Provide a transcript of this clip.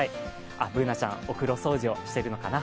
Ｂｏｏｎａちゃん、お風呂掃除をしてるのかな。